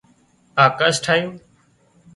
آڪاش ٺاهيون